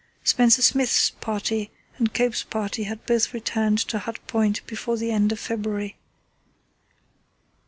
Spencer Smith's party and Cope's party had both returned to Hut Point before the end of February.